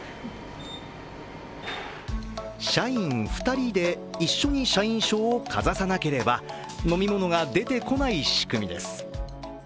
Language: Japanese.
社員２人で一緒に社員証をかざさなければ、飲み物が出てこない仕組みです。